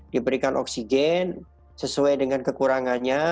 diberikan oksigen sesuai dengan kekurangannya